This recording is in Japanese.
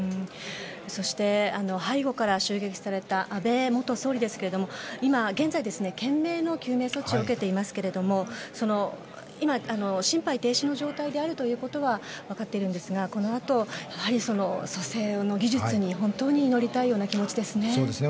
そして、背後から襲撃された安倍元総理ですが今現在懸命の救命措置を受けていますが今、心肺停止の状態であるということは分かっているんですがこのあと蘇生の技術に本当に祈りたいような気持ですね。